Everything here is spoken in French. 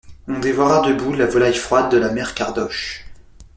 On dévora debout la volaille froide de la mère Cardoche.